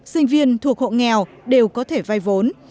sinh viên thuộc hộ nghèo đều có thể vay vốn